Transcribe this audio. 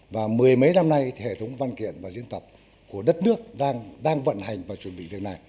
và mười mấy năm nay thì hệ thống văn kiện và diễn tập của đất nước đang vận hành và chuẩn bị việc này